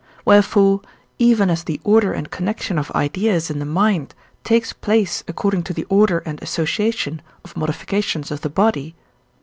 Wherefore, even as the order and connection of ideas in the mind takes place according to the order and association of modifications of the body (II.